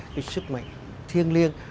cái sức mạnh thiêng liêng